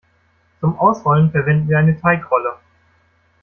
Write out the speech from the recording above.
Zum Ausrollen verwenden wir eine Teigrolle.